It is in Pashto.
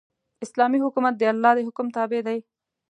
اسلامي حکومت د الله د حکم تابع دی.